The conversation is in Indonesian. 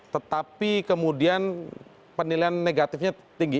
tetapi kemudian penilaian negatifnya tinggi